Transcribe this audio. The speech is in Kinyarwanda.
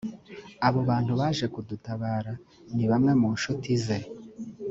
abo bantu baje kudutabara nibamwe mu ncuti ze